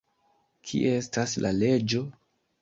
Kie estas la leĝo?